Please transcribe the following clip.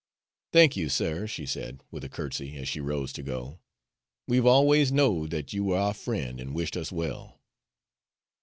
"Thank you, sir," she said, with a curtsy, as she rose to go. "We've always knowed that you were our friend and wished us well."